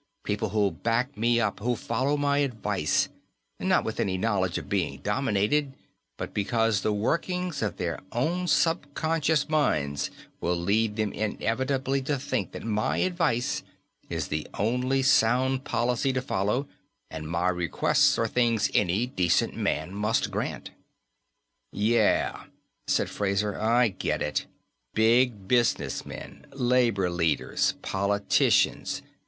People who'll back me up, who'll follow my advice not with any knowledge of being dominated, but because the workings of their own subconscious minds will lead them inevitably to think that my advice is the only sound policy to follow and my requests are things any decent man must grant." "Yeah," said Fraser. "I get it. Big businessmen. Labor leaders. Politicians.